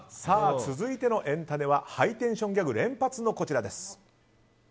続いてのエンたねはハイテンションギャグ連発のこちらです。